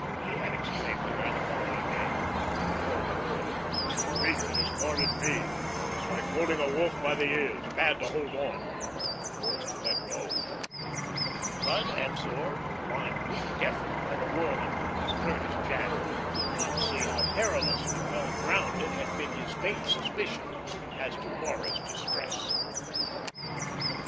he had exclaimed to her, the following day. "Corner wheat! It's the wheat that has cornered me. It's like holding a wolf by the ears, bad to hold on, but worse to let go." But absorbed, blinded, deafened by the whirl of things, Curtis Jadwin could not see how perilously well grounded had been his faint suspicion as to Laura's distress.